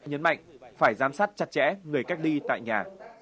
nhấn mạnh phải giám sát chặt chẽ người cách ly tại nhà